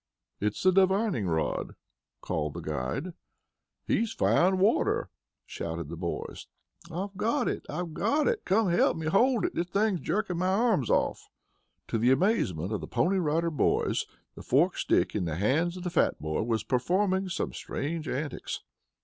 "It's the divining rod!" called the guide. "He's found water!" shouted the boys. "I've got it! I've got it! Come help me hold it. The thing's jerking my arms off." To the amazement of the Pony Rider Boys, the forked stick in the hands of the fat boy was performing some strange antics.